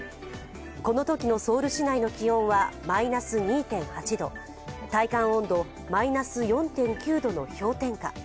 このときのソウル市内の気温はマイナス２．８度、体感温度マイナス４．９度の氷点下。